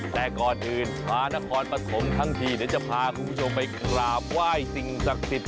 แต่ก่อนอื่นมานครปฐมทั้งทีเดี๋ยวจะพาคุณผู้ชมไปกราบไหว้สิ่งศักดิ์สิทธิ